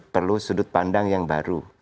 perlu sudut pandang yang baru